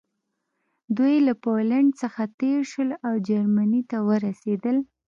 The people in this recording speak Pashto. دوی له پولنډ څخه تېر شول او جرمني ته ورسېدل